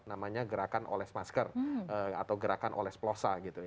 namanya gerakan oles masker atau gerakan oles plosa